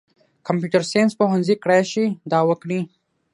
کمپیوټر ساینس پوهنځۍ کړای شي دا وکړي.